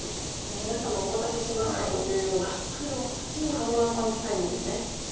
皆様お待たせしましたというようなハンマーパンチタイムですね。